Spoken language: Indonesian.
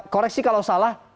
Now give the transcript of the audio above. koreksi kalau salah